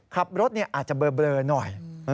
ขับรถอาจจะเบลอหน่อย